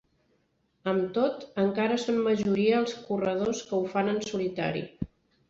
Amb tot, encara són majoria els corredors que ho fan en solitari.